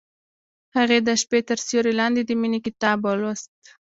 هغې د شپه تر سیوري لاندې د مینې کتاب ولوست.